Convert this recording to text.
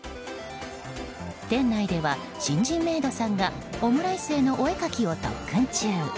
店内では新人メイドさんがオムライスへのお絵かきを特訓中。